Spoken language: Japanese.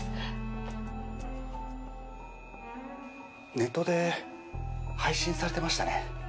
ネットで配信されてましたね。